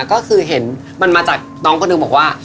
ก็คือเห็นมันมาจากน้องคนหนึ่งบอกว่า